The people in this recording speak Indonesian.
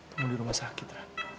kamu di rumah sakit